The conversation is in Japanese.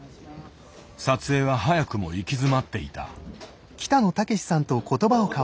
撮影は早くも行き詰まっていた。